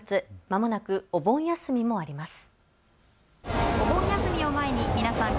まもなくお盆休みもあります。